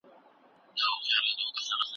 سياستپوهانو د قدرت د لېږد لاري چاري روښانه کړې.